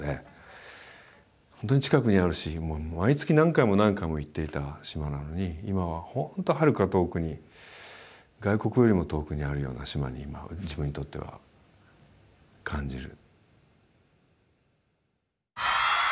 ほんとに近くにあるし毎月何回も何回も行っていた島なのに今はほんとはるか遠くに外国よりも遠くにあるような島に自分にとっては感じる。